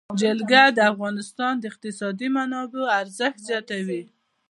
جلګه د افغانستان د اقتصادي منابعو ارزښت زیاتوي.